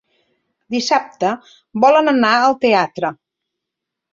Dissabte volen anar al teatre.